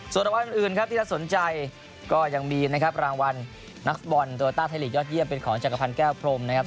ส่วนรางวัลอื่นครับที่น่าสนใจก็ยังมีนะครับรางวัลนักฟุตบอลโลต้าไทยลีกยอดเยี่ยมเป็นของจักรพันธ์แก้วพรมนะครับ